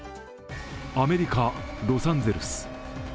アメリカ・ロサンゼルス。